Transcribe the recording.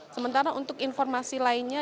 sementara untuk informasi lainnya